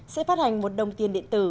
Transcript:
sẽ phát hành một đồng tiền điện tử